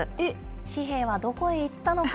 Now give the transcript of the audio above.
紙幣はどこへ行ったのか。